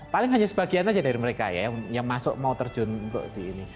paling hanya sebagian saja dari mereka yang masuk mau terjun